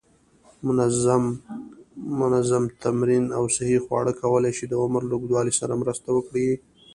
منظم تمرین او صحی خواړه کولی شي د عمر له اوږدوالي سره مرسته وکړي.